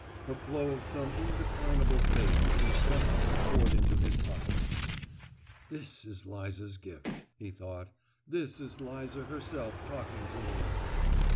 A flow of some indefinable faith in something poured into his heart. "This is Liza's gift," he thought; "this is Liza herself talking to me!"